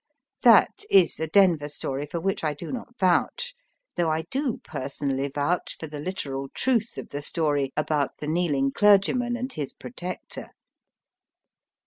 That is a Denver story for which I do not vouch, though I do personally vouch for the literal truth of the story about the kneeling clergyman and his protector.